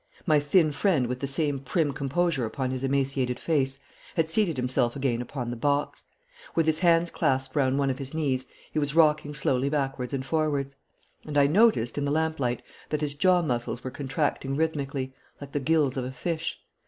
My thin friend, with the same prim composure upon his emaciated face, had seated himself again upon the box. With his hands clasped round one of his knees he was rocking slowly backwards and forwards; and I noticed, in the lamplight, that his jaw muscles were contracting rhythmically, like the gills of a fish.